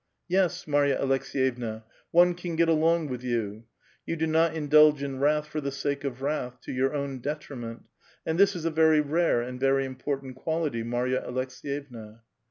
Yes, Marya Aleks^yevna, ^::>ne can get along with you ; you do not indulge in wrath for X he sake of wrath, to your own detriment : and this is a very ^^are and very important quality, Marya Aleks^ye na.